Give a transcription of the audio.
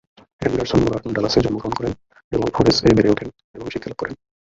Anderson মোরার ডালাসে জন্মগ্রহণ করেন এবং ফোরেস-এ বেড়ে ওঠেন এবং শিক্ষা লাভ করেন।